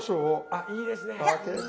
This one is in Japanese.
あいいですね。